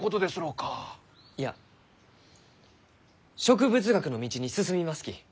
いや植物学の道に進みますき。